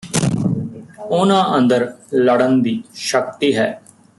ਉਨ੍ਹਾਂ ਅੰਦਰ ਲੜਣ ਦੀ ਸ਼ਕਤੀ ਹੈ